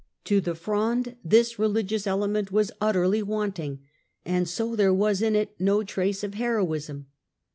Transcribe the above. To the Fronde this religious element was utterly wanting. And so there was in it no trace of heroism.